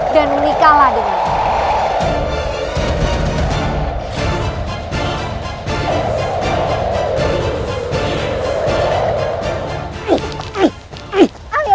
dan menikahlah dengan aku